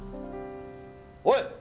おい！